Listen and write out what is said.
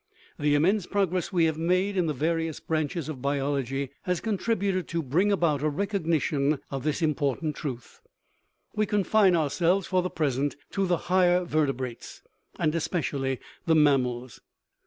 The immense progress we have made in the various branches of biology has contributed to bring about a recognition of this important truth. We confine ourselves for the present to the higher ver tebrates, and especially the mammals.